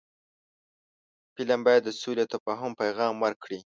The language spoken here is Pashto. فلم باید د سولې او تفاهم پیغام ورکړي